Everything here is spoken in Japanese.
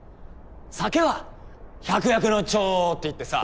酒は百薬の長っていってさ。